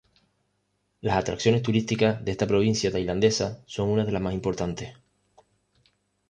Las atracciones turísticas de esta provincia tailandesa son unas de las más importantes.